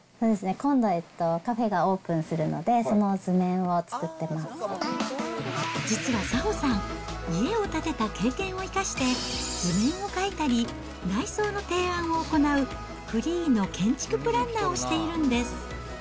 今度カフェがオープンするので、実は早穂さん、家を建てた経験を生かして、図面を描いたり、内装の提案を行う、フリーの建築プランナーをしているんです。